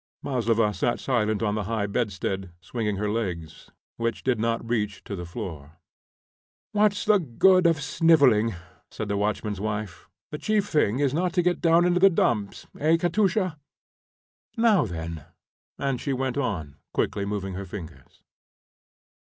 Maslova sat silent on the high bedstead, swinging her legs, which did not reach to the floor. "What's the good of snivelling?" said the watchman's wife. "The chief thing's not to go down into the dumps. Eh, Katusha? Now, then!" and she went on, quickly moving her fingers.